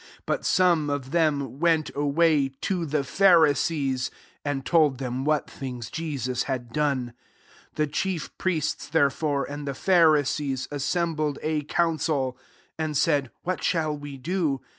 46 But some of them went away to the Pha 16 risees, and told them what things Jesus had done. 47 The chief priests, there fore, and the Pharisees assem bled a council, and said, " What shall we do